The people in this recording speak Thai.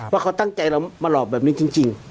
ว่าเขาตั้งใจเรามาหลอกแบบนี้จริง